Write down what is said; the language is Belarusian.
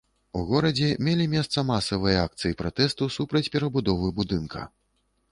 У горадзе мелі месца масавыя акцыі пратэсту супраць перабудовы будынка.